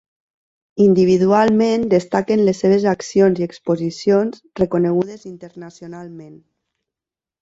Individualment destaquen les seves accions i exposicions, reconegudes internacionalment.